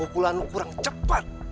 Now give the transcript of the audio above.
pukulan lu kurang cepat